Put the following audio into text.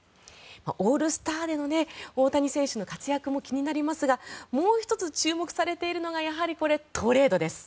オールスターでの大谷選手の活躍も気になりますがもう１つ、注目されているのがトレードです。